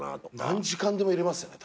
何時間でもいれますよね